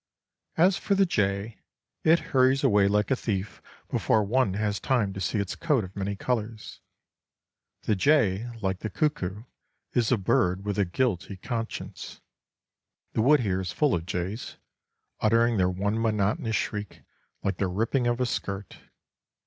As for the jay, it hurries away like a thief before one has time to see its coat of many colours. The jay, like the cuckoo, is a bird with a guilty conscience. The wood here is full of jays, uttering their one monotonous shriek, like the ripping of a skirt.